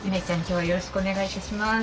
今日はよろしくお願いいたします。